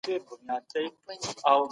روغتيايي خدمتونه بايد ټولو ته ورسيږي.